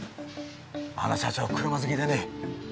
あの社長車好きでね。